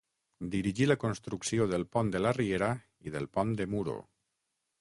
Dirigí la construcció del pont de la riera i del pont de Muro.